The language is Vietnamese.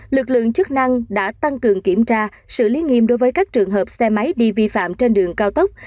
lực lượng chức năng đã tăng cường kiểm tra xử lý nghiêm đối với các trường hợp xe máy đi vi phạm trên đường cao tốc